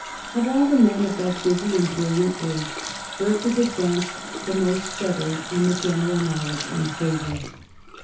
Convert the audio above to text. Of all the men of that busy and brilliant age, Burke has advanced the most steadily in the general knowledge and favor.